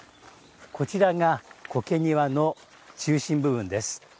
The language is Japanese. こちらが苔庭の中心部分です。